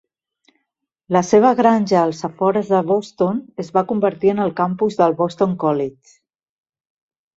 La seva granja a les afores de Boston es va convertir en el campus del Boston College.